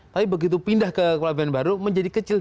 tapi begitu pindah ke kepala bnn baru menjadi kecil